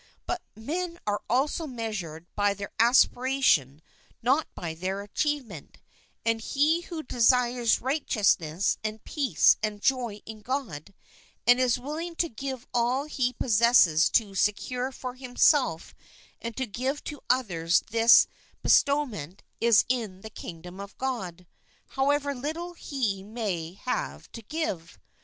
But men are also measured by their B aspiration not by their achievement ; and he who desires righteousness and peace and joy in God, and is willing to give all he possesses to secure for himself and to give to others this bestow ment, is in the Kingdom of God, however little i i he may have to give.